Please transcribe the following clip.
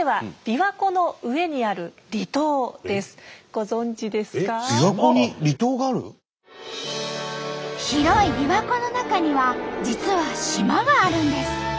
びわ湖に広いびわ湖の中には実は島があるんです。